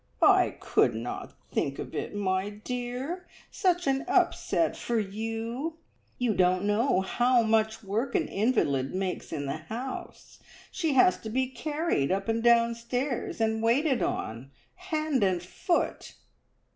"I could not think of it, my dear! Such an upset for you. You don't know how much work an invalid makes in the house! She has to be carried up and down stairs, and waited on hand and foot!"